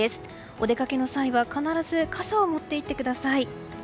お出かけの際は必ず傘を持って行ってください。